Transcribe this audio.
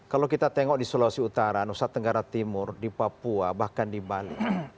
kalau kita tengok di sulawesi utara nusa tenggara timur di papua bahkan di bali